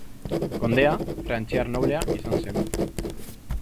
Kondea, frantziar noblea izan zen.